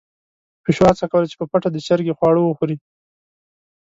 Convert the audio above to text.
پيشو هڅه کوله چې په پټه د چرګې خواړه وخوري.